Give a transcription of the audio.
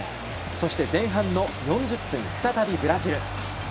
そして前半４０分再びブラジル。